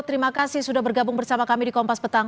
terima kasih sudah bergabung bersama kami di kompas petang